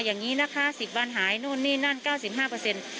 อย่างงี้นะคะสิบบ้านหายนู่นนี่นั่นเก้าสิบห้าเปอร์เซ็นต์